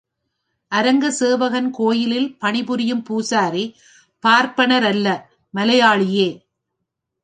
அரங்க சேவகன் கோயிலில் பணிபுரியும் பூசாரி பார்ப்பனரல்ல மலையாளியே.